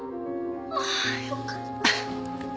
あぁよかった。